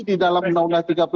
di dalam undang undang tiga belas